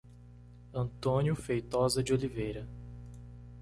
Antônio Feitoza de Oliveira